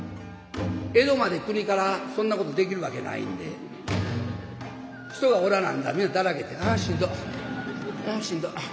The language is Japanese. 江戸までくにからそんなことできるわけないんで人がおらなんだら皆だらけて「あしんど。あしんど。